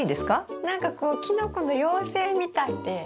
何かこうキノコの妖精みたいで。